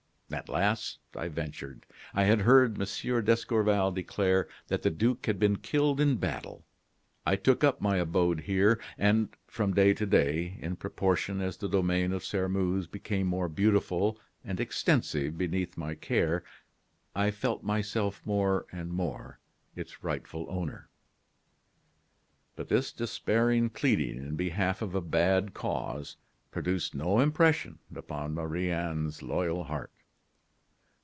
"At last I ventured. I had heard Monsieur d'Escorval declare that the duke had been killed in battle. I took up my abode here. And from day to day, in proportion as the domain of Sairmeuse became more beautiful and extensive beneath my care, I felt myself more and more its rightful owner." But this despairing pleading in behalf of a bad cause produced no impression upon Marie Anne's loyal heart.